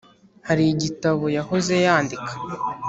Hari igitabo yahoze yandika.